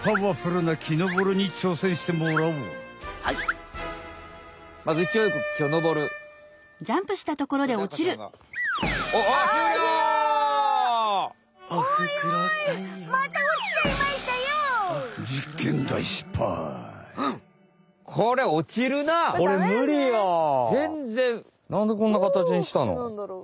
なんでこんなかたちにしたの？